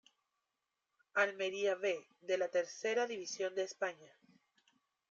Almería "B" de la Tercera División de España.